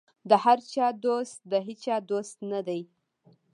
د هر چا دوست د هېچا دوست نه دی.